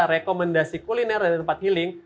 rekomendasi kuliner dari tempat healing